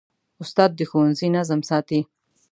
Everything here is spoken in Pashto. استاد د ښوونځي نظم ساتي.